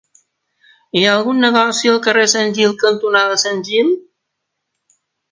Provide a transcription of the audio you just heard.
Hi ha algun negoci al carrer Sant Gil cantonada Sant Gil?